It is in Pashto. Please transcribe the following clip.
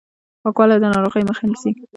پاکوالی د ناروغیو مخه نیسي.